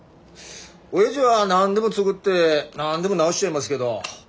おやじは何でも作って何でも直しちゃいますけど。